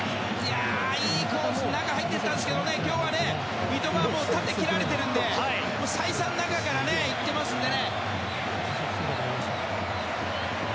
いいコースで中に入っていったんだけど今日は三笘は縦切られてるので再三、中から行ってますんでね。